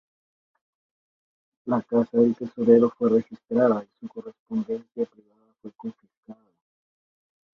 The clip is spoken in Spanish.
La casa del tesorero fue registrada y su correspondencia privada fue confiscada.